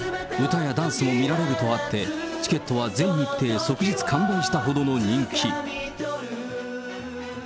歌やダンスも見られるとあって、チケットは全日程、即日完売したほどの人気。